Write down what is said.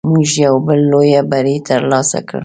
موږ یو بل لوی بری تر لاسه کړ.